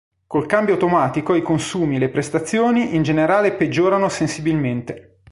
Col cambio automatico i consumi e le prestazioni in generale peggiorano sensibilmente.